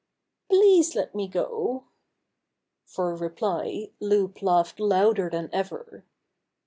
"Please let me go!" For reply Loup laughed louder than ever.